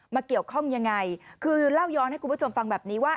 เกี่ยวข้องยังไงคือเล่าย้อนให้คุณผู้ชมฟังแบบนี้ว่า